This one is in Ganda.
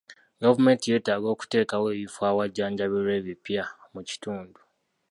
Gavumenti yeetaaga okuteekawo ebifo awajjanjabirwa ebipya mu kitundu.